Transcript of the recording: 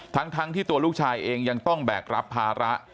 ทั้งที่ตัวลูกชายเองยังต้องแบกรับภาระ